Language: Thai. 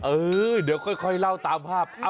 เออเดี๋ยวค่อยเล่าตามภาพ